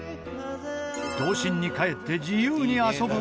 童心に帰って自由に遊ぶ家事ヤロウ。